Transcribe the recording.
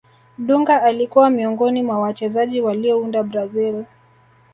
dunga alikuwa miongoni mwa wachezaji waliounda brazil